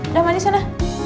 udah mandi sana